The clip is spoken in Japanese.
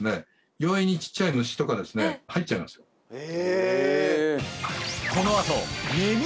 容易にちっちゃい虫とかですね入っちゃいますよええ